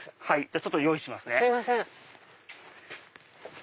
はい。